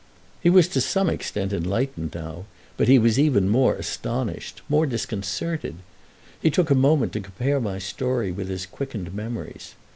He was to some extent enlightened now, but he was even more astonished, more disconcerted: he took a moment to compare my story with his quickened memories.